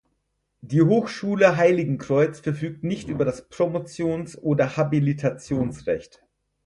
Die Hochschule Heiligenkreuz verfügt nicht über das Promotions- oder Habilitationsrecht.